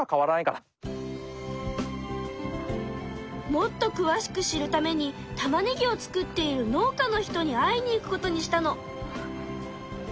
もっと詳しく知るためにたまねぎを作っている農家の人に会いに行くことにしたの。